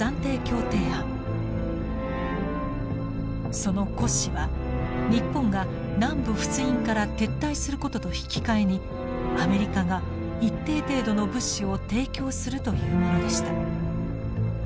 その骨子は日本が南部仏印から撤退することと引き換えにアメリカが一定程度の物資を提供するというものでした。